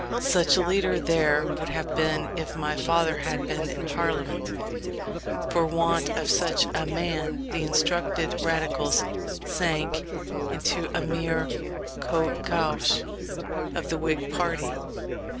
Such a leader there would have been, if my father had been in Parliament. For want of such a man, the instructed Radicals sank into a mere Côté Gauche of the Whig party.